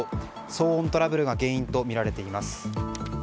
騒音トラブルが原因とみられています。